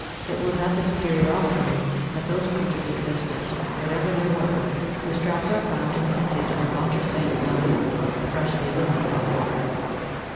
It was at this period also that those creatures existed, whatever they were, whose tracks are found imprinted on bunter sandstein, freshly lifted above water.